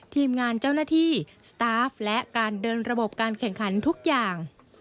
ทีมงานเจ้าหน้าที่สตาฟและการเดินระบบการแข่งขันทุกอย่าง